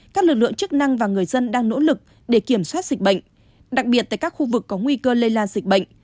các lực lượng chức năng và người dân đang nỗ lực để kiểm soát dịch bệnh đặc biệt tại các khu vực có nguy cơ lây lan dịch bệnh